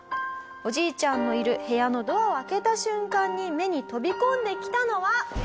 おじいちゃんのいる部屋のドアを開けた瞬間に目に飛び込んできたのは。